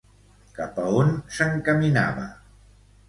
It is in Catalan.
Cap a on s'encaminava?